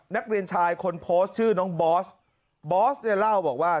นักเรียนชายคนโพสต์ชื่อน้องบอสบอสเนี่ยเล่าบอกว่า